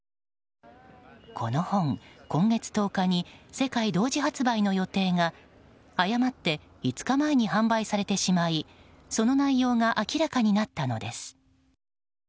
この本、今月１０日に世界同時発売の予定が誤って５日前に販売されてしまいその内容が明らかになったのです。